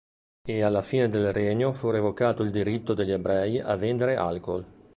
E alla fine del regno fu revocato il diritto degli ebrei a vendere alcool".